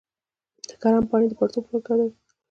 د کرم پاڼې د پړسوب لپاره وکاروئ